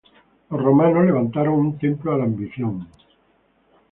Los romanos levantaron un templo a la ambición.